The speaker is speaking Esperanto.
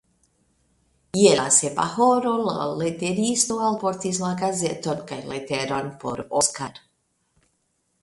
Je la sepa horo la leteristo alportis la gazeton kaj leteron por Oskar.